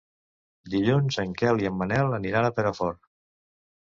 Dilluns en Quel i en Manel aniran a Perafort.